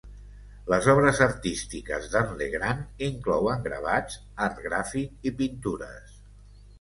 Les obres artístiques de"n Legrand inclouen gravats, art gràfic i pintures.